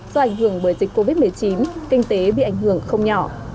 do ảnh hưởng bởi dịch covid một mươi chín kinh tế bị ảnh hưởng không nhỏ